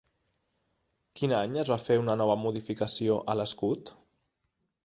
Quin any es va fer una nova modificació a l'escut?